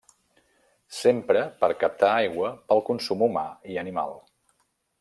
S'empra per captar aigua pel consum humà i animal.